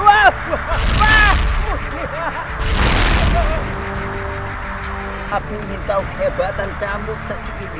aku ingin tahu kehebatan cambuk segini